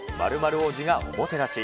○○王子がおもてなし。